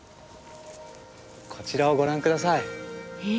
こちらをご覧ください。え？